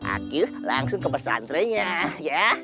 aku langsung ke pesantrenya ya